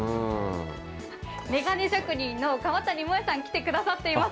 メガネ職人の川谷萌さん、来てくださっています。